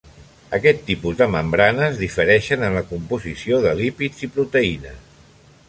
Aquest tipus de membranes difereixen en la composició de lípids i proteïnes.